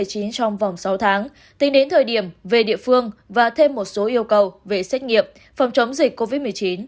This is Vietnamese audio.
trong vòng sáu tháng tính đến thời điểm về địa phương và thêm một số yêu cầu về xét nghiệm phòng chống dịch covid một mươi chín